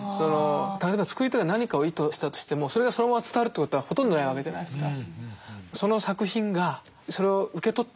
例えば作り手が何かを意図したとしてもそれがそのまま伝わるってことはほとんどないわけじゃないですか。